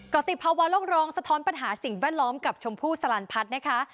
ก็ติดภาวะโลกร้องสะท้อนปัญหาสิ่งแวดล้อมกับชมพู่สลันพัฒน์นะคะ